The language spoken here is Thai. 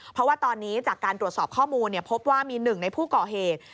เพราะว่าตอนนี้จากการตรวจสอบข้อมูลพบว่ามีหนึ่งในผู้ก่อเหตุ